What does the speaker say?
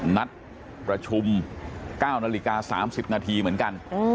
นัดประชุม๙นาฬิกา๓๐นาทีเหมือนกัน